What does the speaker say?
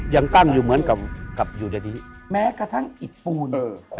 ยังตั้งอยู่เหมือนกับกับอยู่ในนี้แม้กระทั่งอิดปูน